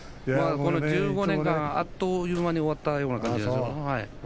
この１５年間、あっという間に終わったような感じ。